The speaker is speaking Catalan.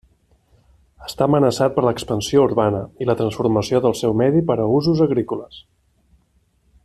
Està amenaçat per l'expansió urbana i la transformació del seu medi per a usos agrícoles.